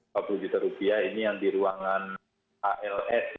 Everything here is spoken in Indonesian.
rp empat puluh juta ini yang di ruangan als